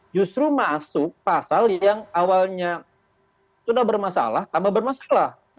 justru masuk pasal yang awalnya sudah bermasalah tambah bermasalah